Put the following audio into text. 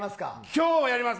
今日もやります